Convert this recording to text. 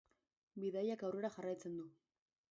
Bidaiak aurrera jarraitzen du.